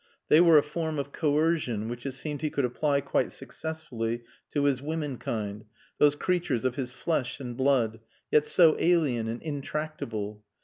They were a form of coercion which it seemed he could apply quite successfully to his womenkind, those creatures of his flesh and blood, yet so alien and intractable.